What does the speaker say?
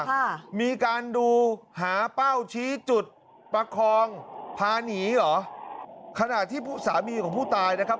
ค่ะมีการดูหาเป้าชี้จุดประคองพาหนีเหรอขณะที่สามีของผู้ตายนะครับ